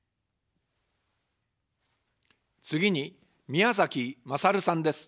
次に、宮崎まさるさんです。